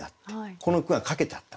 この句が掛けてあったの。